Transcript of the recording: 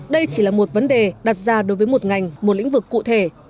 đây chỉ là một vấn đề đặt ra đối với một ngành một lĩnh vực cụ thể